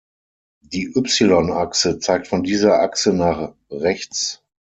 Die y-Achse zeigt von dieser Achse nach rechts.